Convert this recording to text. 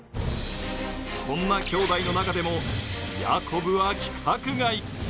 そんな兄弟の中でもヤコブは規格外。